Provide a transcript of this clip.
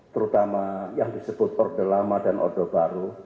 terutama yang disebut order lama dan order baru